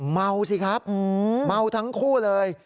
เมาสิครับเมาทั้งคู่เลย